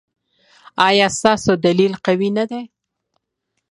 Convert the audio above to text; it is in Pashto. ایا ستاسو دلیل قوي نه دی؟